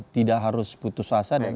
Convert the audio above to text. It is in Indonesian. tidak harus putus asa